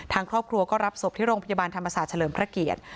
ทางครอบครัวก็รับศพที่โรงพยาบาลธรรมศาสตร์เฉลิมพระเกียรติ